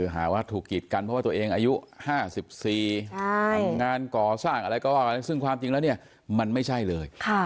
หาว่าถูกกีดกันเพราะว่าตัวเองอายุ๕๔ทำงานก่อสร้างอะไรก็ว่ากันซึ่งความจริงแล้วเนี่ยมันไม่ใช่เลย